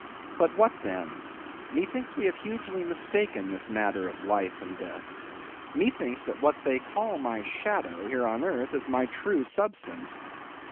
But what then? Methinks we have hugely mistaken this matter of Life and Death. Methinks that what they call my shadow here on earth is my true substance.